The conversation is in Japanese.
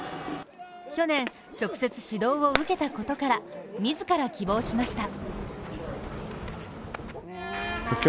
去年直接指導を受けたことから自ら希望しました。